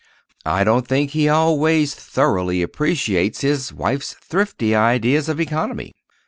I don't think he always thoroughly appreciates his wife's thrifty ideas of economy.